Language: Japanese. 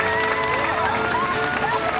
よかった！